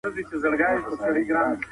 پاکوالی د روغتیا او ایمان نښه ده.